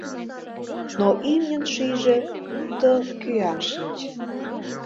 Но имньын шӱйжӧ пуйто кӱаҥ шинчын.